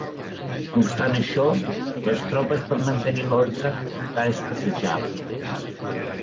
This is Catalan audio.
No obstant això, les tropes per mantenir l'ordre encara escassejaven.